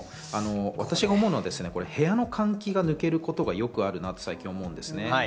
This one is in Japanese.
私が思うには部屋の換気が抜けることがよくあるなと思うんですよね。